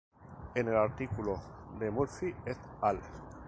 En el artículo de Murphy et al.